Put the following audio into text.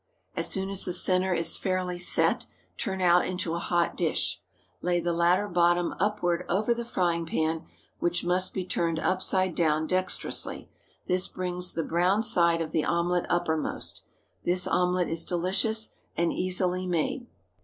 As soon as the centre is fairly "set," turn out into a hot dish. Lay the latter bottom upward over the frying pan, which must be turned upside down dexterously. This brings the browned side of the omelet uppermost. This omelet is delicious and easily made.